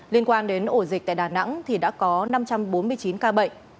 liên quan đến ổ dịch tại đà nẵng thì đã có năm trăm bốn mươi chín ca bệnh